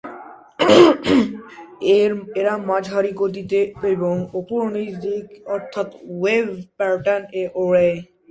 এরা মাঝারি গতিতে এবং ওপর-নীচ দিকে অর্থাৎ ওয়েভ প্যাটার্ন এ ওড়ে।